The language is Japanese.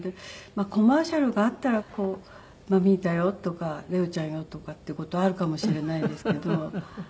コマーシャルがあったら「マミータよ」とか「レオちゃんよ」とかっていう事あるかもしれないですけど。